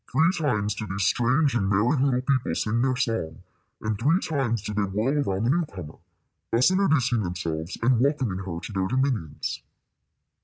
Three times did these strange and merry little people sing their song, and three times did they whirl around the new comer, thus introducing themselves and welcoming her to their dominions.